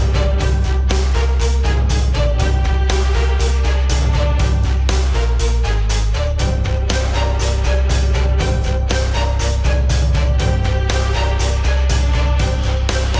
ถูกต้องเพราะฉะนั้นอย่าหลงเชื่อใช่